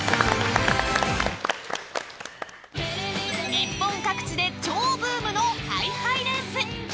日本各地で超ブームのハイハイレース。